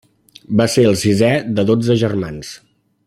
Va ser el sisè de dotze germans.